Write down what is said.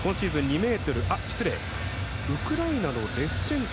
ウクライナのレフチェンコ。